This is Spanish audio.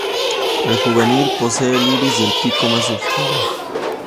El juvenil posee el iris y el pico más oscuros.